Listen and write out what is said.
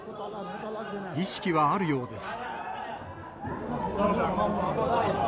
意識はあるようです。